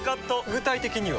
具体的には？